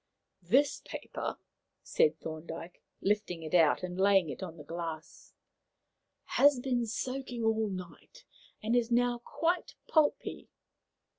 "This paper," said Thorndyke, lifting it out and laying it on the glass, "has been soaking all night, and is now quite pulpy."